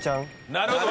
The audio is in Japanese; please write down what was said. なるほど。